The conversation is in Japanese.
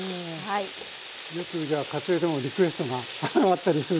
よくじゃあ家庭でもリクエストがあったりする？